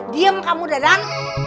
diam kamu dadan